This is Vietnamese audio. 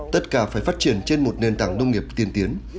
tất cả phải phát triển trên một nền tảng nông nghiệp tiên tiến